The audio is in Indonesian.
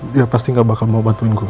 dia pasti gak bakal mau bantuin gue